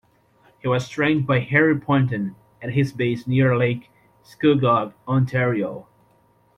He was trained by Harry Poulton at his base near Lake Scugog, Ontario.